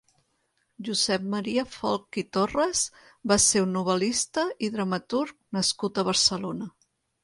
Josep Maria Folch i Torres va ser un novel·lista i dramaturg nascut a Barcelona.